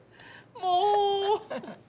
もう。